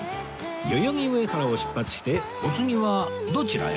代々木上原を出発してお次はどちらへ？